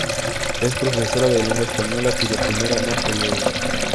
Es profesora de lengua española, cuyo primer amor fue Diego.